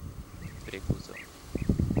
preclusão